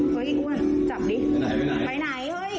มาหาใครหรอ